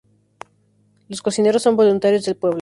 Los cocineros son voluntarios del pueblo.